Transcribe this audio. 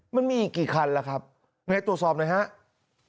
มันมีอีกกี่คันล่ะครับไงตรวจสอบหน่อยครับ